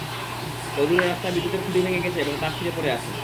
অদূরে রাস্তায় বিদ্যুতের খুঁটি ভেঙে গেছে এবং তার ছিঁড়ে পড়ে আছে।